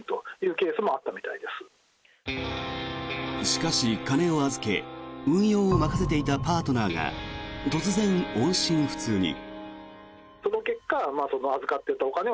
しかし、金を預け運用を任せていたパートナーが突然、音信不通に。